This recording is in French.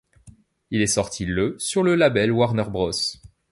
Il est sorti le sur le label Warner Bros.